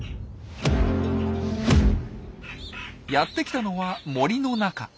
やって来たのは森の中。